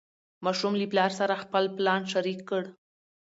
ماشوم له پلار سره خپل پلان شریک کړ